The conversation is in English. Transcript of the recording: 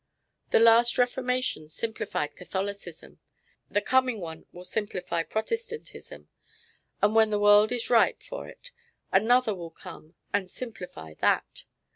The last reformation simplified Catholicism. The coming one will simplify Protestantism. And when the world is ripe for it another will come and simplify that.